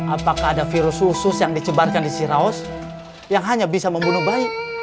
apakah ada virus usus yang dicebarkan di siraus yang hanya bisa membunuh bayi